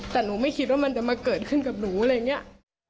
แต่หนูไม่คิดว่ามันจะมาเกิดขึ้นกับหนูอะไรอย่างนี้